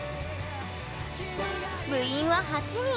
部員は８人。